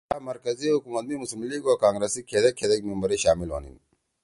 یرأ مرکزی حکومت می مسلم لیگ او کانگرس سی کھیدیک کھیدیک ممبرے شامل ہونیِن۔